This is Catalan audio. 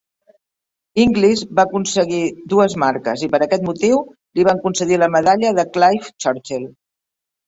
Inglis va aconseguir dues marques i, per aquest motiu li van concedir la medalla de Clive Churchill.